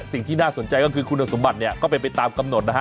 สิ่งที่น่าสนใจก็คือคุณสมบัติเนี่ยก็เป็นไปตามกำหนดนะฮะ